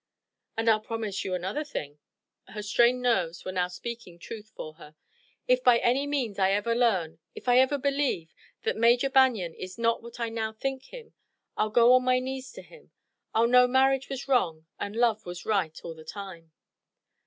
"And I'll promise you another thing" her strained nerves now were speaking truth for her "if by any means I ever learn if I ever believe that Major Banion is not what I now think him, I'll go on my knees to him. I'll know marriage was wrong and love was right all the time."